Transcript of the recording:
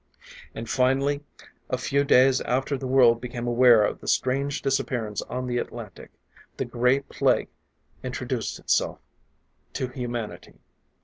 And finally, a few days after the world became aware of the strange disappearances on the Atlantic, the Gray Plague introduced itself to humanity.